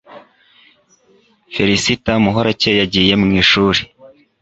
Ferisita muhorakeye yagiye mwishuri